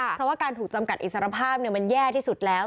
เพราะว่าการถูกจำกัดอิสรภาพมันแย่ที่สุดแล้ว